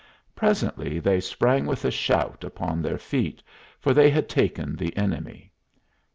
Presently they sprang with a shout upon their feet, for they had taken the enemy.